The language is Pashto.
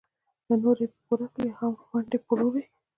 له نورو یې په پور اخلي او یا هم ونډې پلوري.